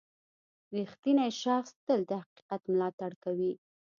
• رښتینی شخص تل د حقیقت ملاتړ کوي.